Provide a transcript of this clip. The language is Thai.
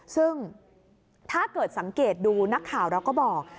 ซึ่งถ้าเกิดสังเกตดูนักข่าวเราก็บอก